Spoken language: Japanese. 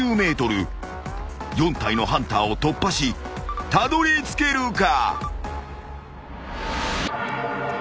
［４体のハンターを突破したどりつけるか？］